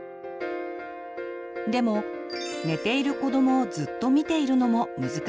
でも寝ている子どもをずっと見ているのも難しいですよね。